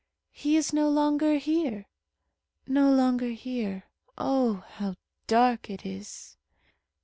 "He is no longer here, no longer here. Oh! how dark it is!"